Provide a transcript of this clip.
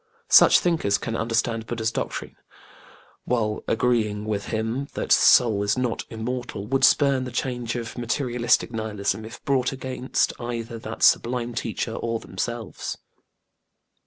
Such thinkers can understand BudĖĢdĖĢha's doctrine and, while agreeing with him that soul is not immortal, would spurn the charge of materialistic nihilism, if brought against either that sublime teacher or themselves.